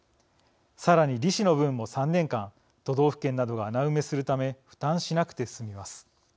さらに利子の分も３年間都道府県などが穴埋めするため負担しなくて済みます。